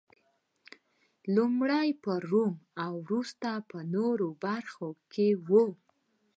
لومړی په روم او وروسته په نورو برخو کې و